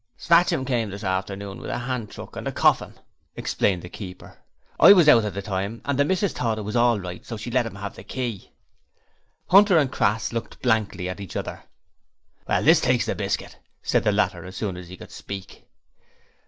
'Snatchum came this afternoon with a hand truck and a corfin,' explained the keeper. 'I was out at the time, and the missis thought it was all right so she let him have the key.' Hunter and Crass looked blankly at each other. 'Well, this takes the biskit!' said the latter as soon as he could speak.